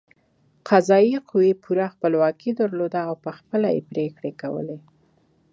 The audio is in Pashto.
قضايي قوه پوره خپلواکي درلوده او په خپله پرېکړې کولې.